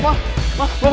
eh maaf pak